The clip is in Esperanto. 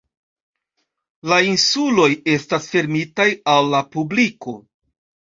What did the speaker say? La insuloj estas fermitaj al la publiko.